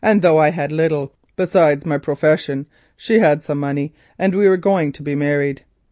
Though I had little besides my profession, she had money, and we were going to be married.